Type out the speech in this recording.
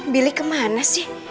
billy kemana sih